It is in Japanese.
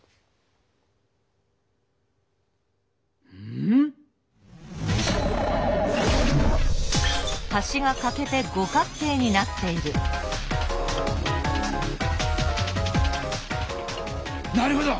ん⁉なるほど！